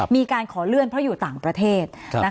มีการขอเลื่อนเพราะอยู่ต่างประเทศ